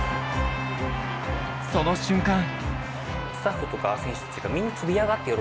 その瞬間。